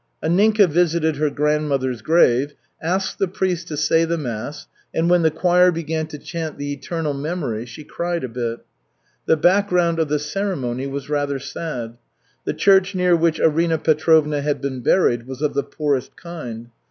Anninka visited her grandmother's grave, asked the priest to say the mass, and when the choir began to chant the "Eternal memory," she cried a bit. The background of the ceremony was rather sad. The church near which Arina Petrovna had been buried was of the poorest kind.